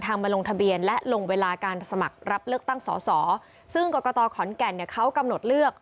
มาลงทะเบียนและลงเวลาการสมัครรับเลือกตั้งสอสอซึ่งกรกตขอนแก่นเนี่ยเขากำหนดเลือก